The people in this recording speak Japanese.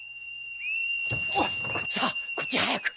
さあこっちへ早く！